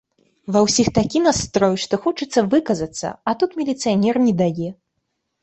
Ва ўсіх такі настрой, што хочацца выказацца, а тут міліцыянер не дае.